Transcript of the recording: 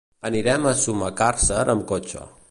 Anirem a Sumacàrcer amb cotxe.